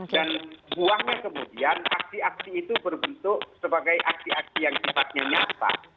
dan buangnya kemudian aksi aksi itu berbentuk sebagai aksi aksi yang tiba tiba nyata